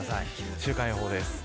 週間予報です。